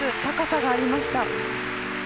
高さがありました。